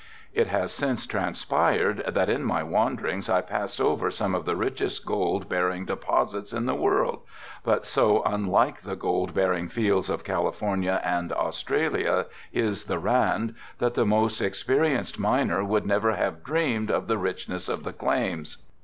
It has since transpired that in my wanderings I passed over some of the richest gold bearing deposits in the world but so unlike the gold bearing fields of California and Australia is the Rand that the most experienced miner would never have dreamed of the richness of the claims.